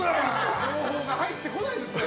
情報が入ってこないですね。